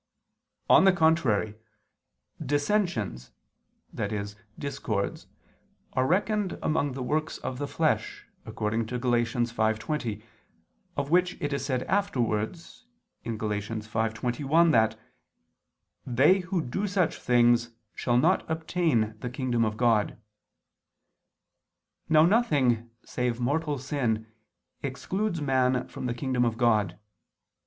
On the contrary, "Dissensions," that is, discords, are reckoned among the works of the flesh (Gal. 5:20), of which it is said afterwards (Gal. 5:21) that "they who do such things shall not obtain the kingdom of God." Now nothing, save mortal sin, excludes man from the kingdom of God.